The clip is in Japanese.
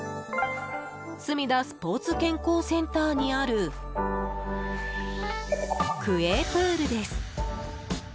すみだスポーツ健康センターにある区営プールです。